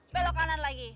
pelok kanan lagi